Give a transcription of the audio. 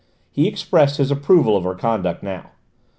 He expressed his approval of her conduct now.